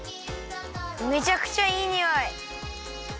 めちゃくちゃいいにおい！